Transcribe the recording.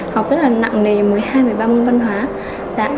học rất là nặng nề một mươi hai một mươi ba môn văn hóa